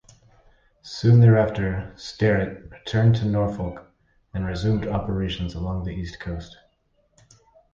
Soon thereafter, "Sterett" returned to Norfolk and resumed operations along the east coast.